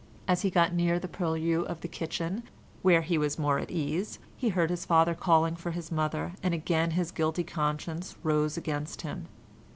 As he got near the purlieus of the kitchen (where he was more at ease) he heard his father calling for his mother, and again his guilty conscience rose against him.